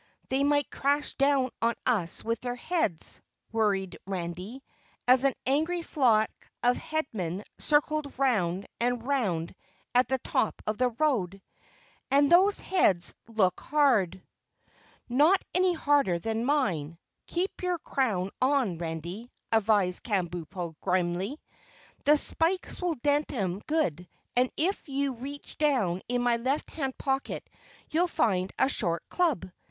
"They might crash down on us with their heads," worried Randy, as an angry flock of Headmen circled round and round at the top of the road, "and those heads look hard." "Not any harder than mine. Keep your crown on, Randy," advised Kabumpo grimly, "the spikes will dent 'em good, and if you reach down in my left hand pocket you'll find a short club.